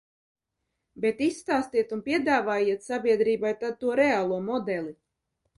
Bet izstāstiet un piedāvājiet sabiedrībai tad to reālo modeli!